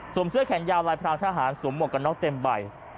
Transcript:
เสื้อแขนยาวลายพรางทหารสวมหมวกกันน็อกเต็มใบ